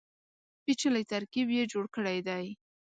پېچلی ترکیب یې جوړ کړی دی.